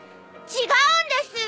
違うんです。